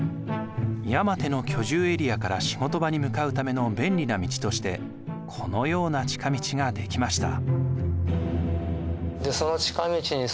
山手の居住エリアから仕事場に向かうための便利な道としてこのような近道が出来ました。